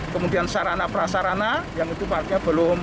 kemudian sarana prasarana yang itu artinya belum